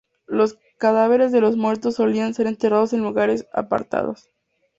Los cadáveres de los muertos solían ser enterrados en lugares apartados.